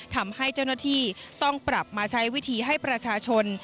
ทำให้เจ้าหน้าที่ต้องปรับมาใช้วิธีให้ประชาชน